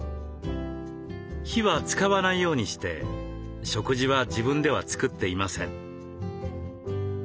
火は使わないようにして食事は自分では作っていません。